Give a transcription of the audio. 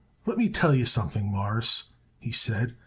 "Let me tell you something, Mawruss," he said.